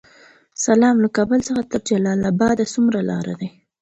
سلام، له کابل څخه تر جلال اباد څومره لاره ده؟